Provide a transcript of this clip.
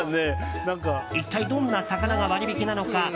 一体どんな魚が割引なのか。